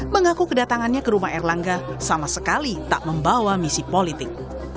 mengaku kedatangannya ke rumah erlangga sama sekali tak membawa misi politik